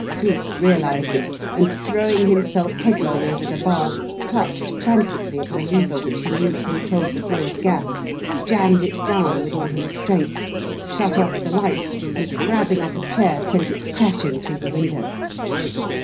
Cleek realised it, and, throwing himself headlong over the bar, clutched frantically at the lever which he knew controlled the flow of gas, jammed it down with all his strength, shut off the light, and, grabbing up a chair, sent it crashing through the window.